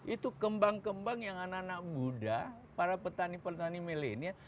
itu kembang kembang yang anak anak muda para petani petani milenial